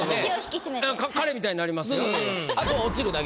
彼みたいになりますよ。